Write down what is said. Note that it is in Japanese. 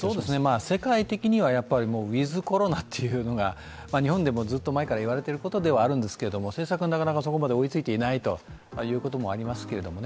世界的にはウィズ・コロナというのが日本でもずっと前から言われていることではあるんですけど、政策はなかなかそこまで追いついていないこともありますけどね。